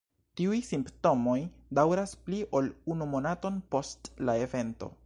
Tiuj simptomoj daŭras pli ol unu monaton post la evento.